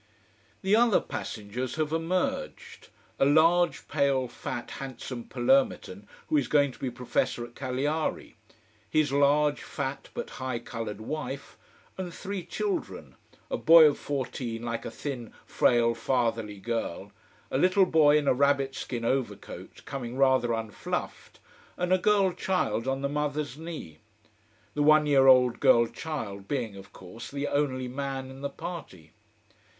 The other passengers have emerged: a large, pale, fat, "handsome" Palermitan who is going to be professor at Cagliari: his large, fat, but high coloured wife: and three children, a boy of fourteen like a thin, frail, fatherly girl, a little boy in a rabbit skin overcoat, coming rather unfluffed, and a girl child on the mother's knee. The one year old girl child being, of course, the only man in the party.